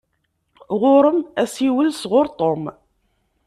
Ɣuṛ-m asiwel sɣuṛ Tom.